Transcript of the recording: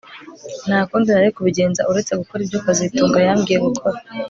Nta kundi nari kubigenza uretse gukora ibyo kazitunga yambwiye gukora